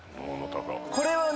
これはね